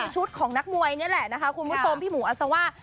ชุดของนักมวยนี่แหละนะคะคุณผู้ชมพี่หมูอัศว่า